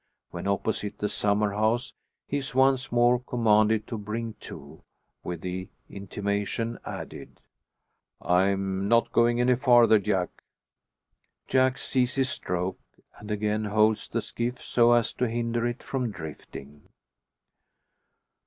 When opposite the summer house he is once more commanded to bring to, with the intimation added: "I'm not going any farther, Jack." Jack ceases stroke, and again holds the skiff so as to hinder it from drifting.